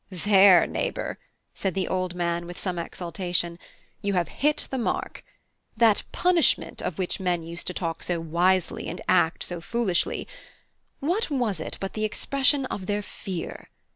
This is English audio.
"There, neighbour!" said the old man, with some exultation "You have hit the mark. That punishment of which men used to talk so wisely and act so foolishly, what was it but the expression of their fear?